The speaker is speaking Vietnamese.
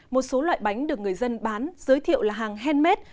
một số loại bánh được người dân bán giới thiệu là hàng handmade